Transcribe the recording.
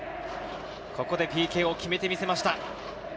ここでＰＫを決めてみせました。